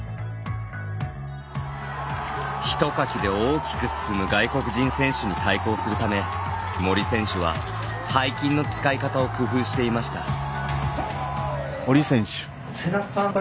ひとかきで大きく進む外国人選手に対抗するため森選手は背筋の使い方を工夫していました。